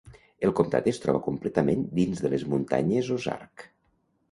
El comtat es troba completament dins de les muntanyes Ozark.